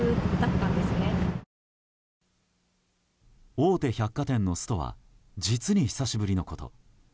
大手百貨店のストは実に久しぶりのこと。